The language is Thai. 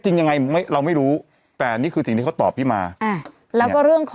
เราไม่รู้แต่นี่คือสิ่งที่เขาตอบให้มาอ่ะแล้วก็เรื่องของ